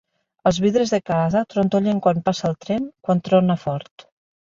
Els vidres de casa trontollen quan passa el tren, quan trona fort.